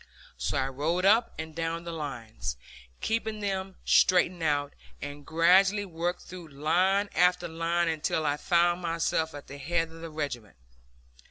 So I rode up and down the lines, keeping them straightened out, and gradually worked through line after line until I found myself at the head of the regiment.